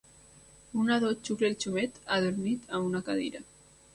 un nadó xucla el xumet adormit en una cadira.